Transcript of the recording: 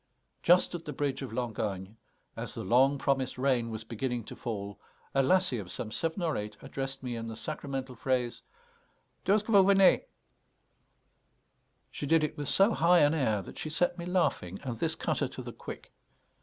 Just at the bridge of Langogne, as the long promised rain was beginning to fall, a lassie of some seven or eight addressed me in the sacramental phrase, "D'où 'st ce que vous venez?" She did it with so high an air that she set me laughing, and this cut her to the quick.